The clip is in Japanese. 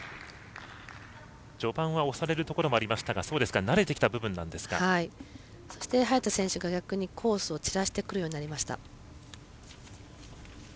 序盤は押されるところもありましたがそして、早田選手が逆にコースを散らしてくるようになりました。